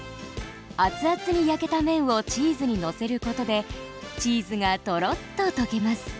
熱々に焼けた面をチーズにのせることでチーズがトロッと溶けます。